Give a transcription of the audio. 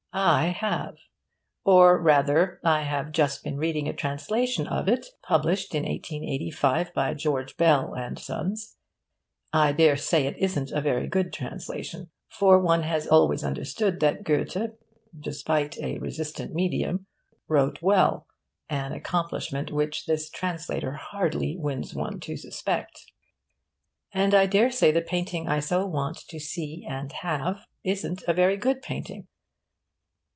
I have. Or rather, I have just been reading a translation of it, published in 1885 by George Bell & Sons. I daresay it isn't a very good translation (for one has always understood that Goethe, despite a resistant medium, wrote well an accomplishment which this translator hardly wins one to suspect). And I daresay the painting I so want to see and have isn't a very good painting.